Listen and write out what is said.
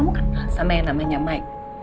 kamu kenal sama yang namanya mike